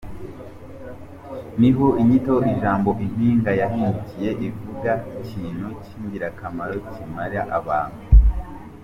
Niho inyito y’ijambo impinga yahindukiye ivuga ikintu cy’ingirakamaro, kiramira abantu.